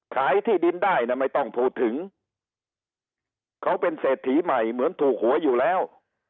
ที่ดินได้นะไม่ต้องพูดถึงเขาเป็นเศรษฐีใหม่เหมือนถูกหวยอยู่แล้ว